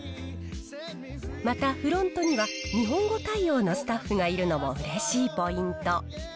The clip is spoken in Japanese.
また、フロントには日本語対応のスタッフがいるのもうれしいポイント。